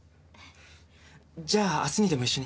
じゃあ明日にでも一緒に。